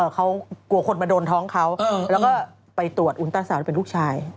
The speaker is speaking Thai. เขากลัวคนมาโดนท้องเขาแล้วก็ไปตรวจอุลต้าสาวที่เป็นลูกชาย